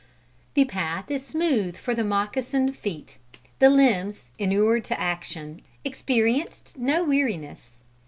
The path is smooth for the moccasined feet. The limbs, inured to action, experienced no weariness.